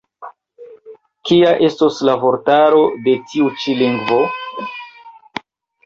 Kia estos la vortaro de tiu ĉi lingvo?